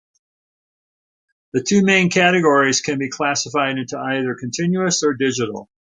The two main categories can be classified into either continuous or digital.